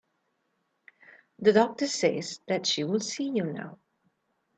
The doctor says that she will see you now.